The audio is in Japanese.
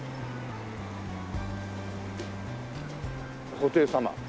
布袋様。